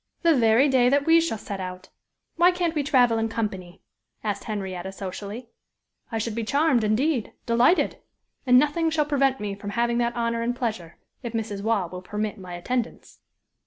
"The very day that we shall set out why can't we travel in company?" asked Henrietta, socially. "I should be charmed, indeed delighted! And nothing shall prevent me having that honor and pleasure, if Mrs. Waugh will permit my attendance."